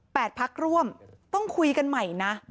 พักร่วมต้องคุยกันใหม่นะ